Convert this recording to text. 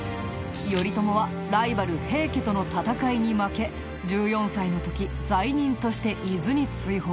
頼朝はライバル平家との戦いに負け１４歳の時罪人として伊豆に追放。